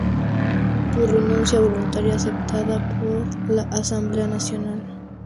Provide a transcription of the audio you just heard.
Por renuncia voluntaria aceptada por la Asamblea Nacional.